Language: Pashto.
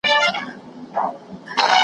د نرګس او د غاټول له سترګو توی کړل .